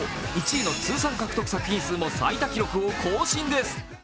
１位の通算獲得作品数も最多記録を更新です。